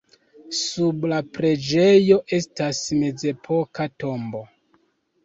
Sub la preĝejo estas mezepoka tombo.